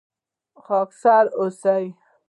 خاکسار اوسئ